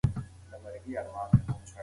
د نجونو تعليم د ګډو پرېکړو پايداري زياتوي.